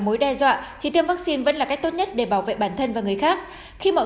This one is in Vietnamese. nguồn lựa chọn thì tiêm vaccine vẫn là cách tốt nhất để bảo vệ bản thân và người khác khi mọi